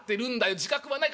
自覚はないか。